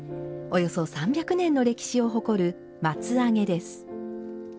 およそ３００年の歴史を誇る松上げです。